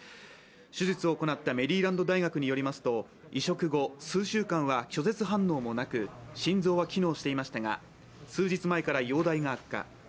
手術を行ったメリーランド大学によりますと移植後、数週間は拒絶反応もなく心臓は機能していましたが数日前から容体が悪化。